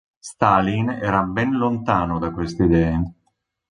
Stalin era ben lontano da queste idee.